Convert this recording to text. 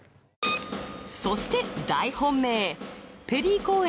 そして大本命ペリー公園